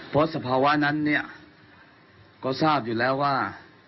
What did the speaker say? เพราะสภาวะนั้นเนี่ยก็ทราบอยู่แล้วว่า